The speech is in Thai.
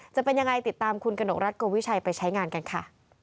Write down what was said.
จะเป็นยังไงติดตามคุณกนกรัฐโกวิชัยไปใช้งานกันค่ะ